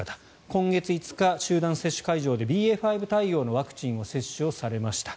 今月５日、集団接種会場でＢＡ．５対応のワクチンの接種をされました。